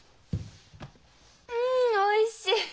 うんおいしい！